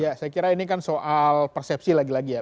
ya saya kira ini kan soal persepsi lagi lagi ya